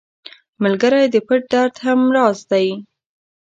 ملګری د پټ درد هم راز دی